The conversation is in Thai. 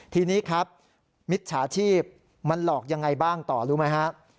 ทีนี้ครับมิจฉาชีพมันหลอกยังไงบ้างต่อรู้ไหมฮะ